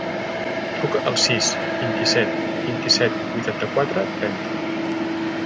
Truca al sis, vint-i-set, vint-i-set, vuitanta-quatre, trenta.